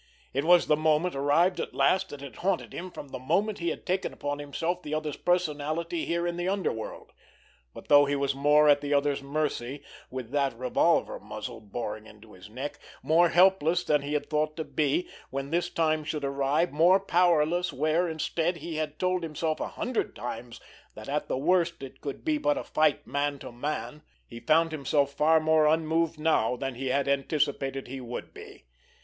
It was the moment, arrived at last, that had haunted him from the moment he had taken upon himself the other's personality here in the underworld; but though he was more at the other's mercy with that revolver muzzle boring into his neck, more helpless than he had thought to be when this time should arrive, more powerless where, instead, he had told himself a hundred times that at the worst it could be but a fight man to man, he found himself far more unmoved now than he had anticipated he would be.